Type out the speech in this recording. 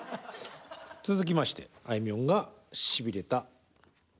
続きましてあいみょんがしびれた歌詞ザザン！